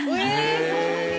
そんなに？